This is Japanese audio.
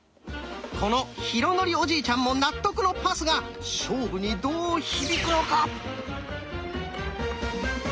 この浩徳おじいちゃんも納得の「パス」が勝負にどう響くのか！